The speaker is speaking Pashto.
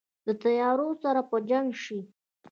د تیارو سره په جنګ شي